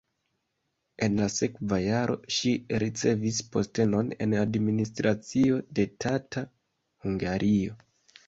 En la sekva jaro ŝi ricevis postenon en administracio de Tata (Hungario).